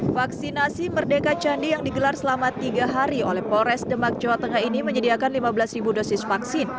vaksinasi merdeka candi yang digelar selama tiga hari oleh polres demak jawa tengah ini menyediakan lima belas dosis vaksin